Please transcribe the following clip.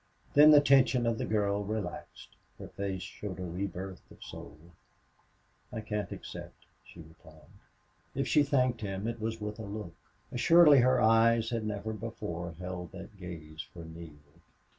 Then the tension of the girl relaxed. Her face showed a rebirth of soul. "I can't accept," she replied. If she thanked him it was with a look. Assuredly her eyes had never before held that gaze for Neale.